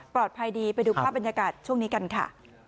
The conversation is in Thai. ดีไปดูภาพบรรยากาศช่วงนี้กันค่ะ